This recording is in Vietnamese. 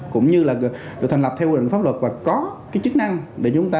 cũng như là được thành lập theo quy định pháp luật và có cái chức năng để chúng ta